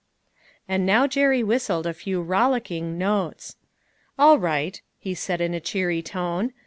And now Jerry whistled a few rollicking notes. " All right," he said in a cheery tone.